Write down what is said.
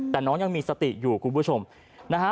แต่น้องยังมีสติอยู่คุณผู้ชมนะฮะ